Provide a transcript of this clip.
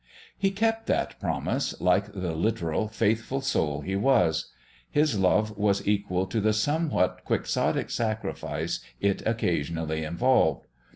He kept that promise like the literal, faithful soul he was. His love was equal to the somewhat quixotic sacrifice it occasionally involved.